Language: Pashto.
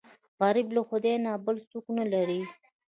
غریب له خدای نه بل څوک نه لري